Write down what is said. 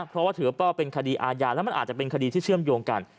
เพราะว่าถือว่าเป็นคดีอาญาแล้วมันอาจจะเป็นคดีที่เชื่อมโยงกัน